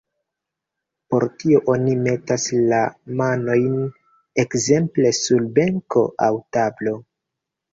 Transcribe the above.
Por tio oni metas la manojn ekzemple sur benko aŭ tablo.